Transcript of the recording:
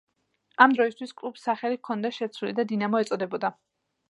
ამ დროისთვის კლუბს სახელი ჰქონდა შეცვლილი და „დინამო“ ეწოდებოდა.